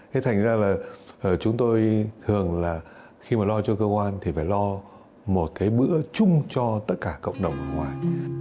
thế thành ra là chúng tôi thường là khi mà lo cho cơ quan thì phải lo một cái bữa chung cho tất cả cộng đồng ở ngoài